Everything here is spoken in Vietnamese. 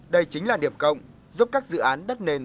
đây chính là điểm cộng giúp các dự án đất nền